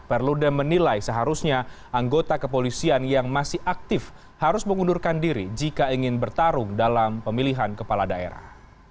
perludem menilai seharusnya anggota kepolisian yang masih aktif harus mengundurkan diri jika ingin bertarung dalam pemilihan kepala daerah